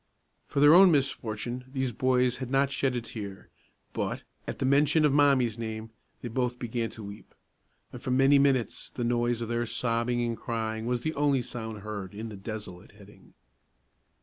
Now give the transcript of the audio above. For their own misfortune, these boys had not shed a tear; but, at the mention of Mommie's name, they both began to weep, and, for many minutes, the noise of their sobbing and crying was the only sound heard in the desolate heading.